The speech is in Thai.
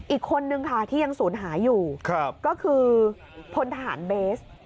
อีกคนนึงค่ะที่ยังศูนย์หายอยู่ก็คือพลทหารเบส